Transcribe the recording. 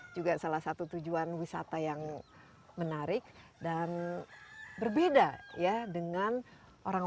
juga salah satu tujuan wisata yang menarik dan berbeda ya dengan orang